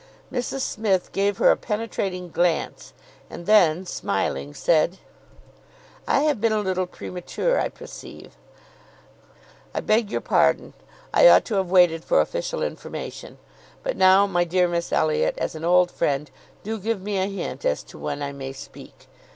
Mrs Smith gave her a penetrating glance, and then, smiling, said— "I have been a little premature, I perceive; I beg your pardon. I ought to have waited for official information. But now, my dear Miss Elliot, as an old friend, do give me a hint as to when I may speak.